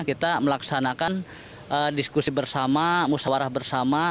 kita melaksanakan diskusi bersama musawarah bersama